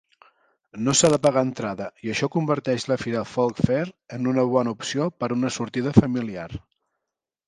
No s'ha de pagar entrada i això converteix la fira Folk Fair en una bona opció per a una sortida familiar.